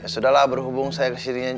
ya sudah lah berhubung saya kesini